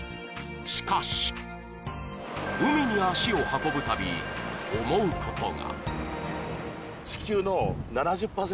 しかし、海に足を運ぶたび、思うことが。